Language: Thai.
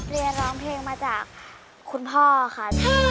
เรียนร้องเพลงมาจากคุณพ่อค่ะ